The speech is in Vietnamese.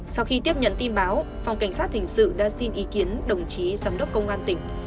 sau khi tiếp nhận tin báo phòng cảnh sát hình sự đã xin ý kiến đồng chí giám đốc công an tỉnh